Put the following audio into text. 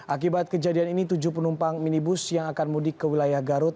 akibat kejadian ini tujuh penumpang minibus yang akan mudik ke wilayah garut